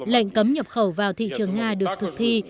lệnh cấm nhập khẩu vào thị trường nga được thực thi